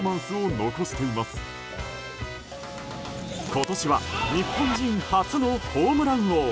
今年は日本人初のホームラン王。